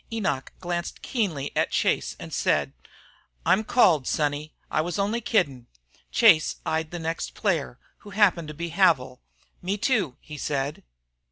Enoch glanced keenly at Chase and said, "I'm called, sonny. I was only kiddin'." Chase eyed the next player, who happened to be Havil. "Me, too," he said.